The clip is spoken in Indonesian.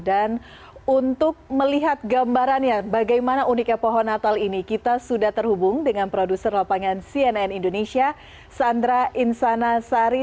dan untuk melihat gambarannya bagaimana uniknya pohon natal ini kita sudah terhubung dengan produser lapangan cnn indonesia sandra insana sari